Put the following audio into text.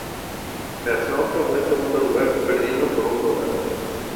Carson tomó el segundo lugar, perdiendo por un dólar.